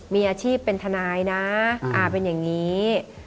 มีอาชีพเป็นทนายนะเป็นอย่างนี้